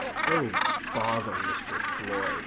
"Oh, bother Mr. Floyd!"